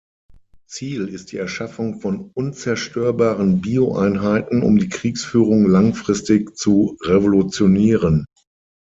Ziel ist die Erschaffung von unzerstörbaren Bio-Einheiten, um die Kriegsführung langfristig zu revolutionieren.